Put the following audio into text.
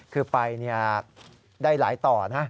คือไปได้หลายต่อนะ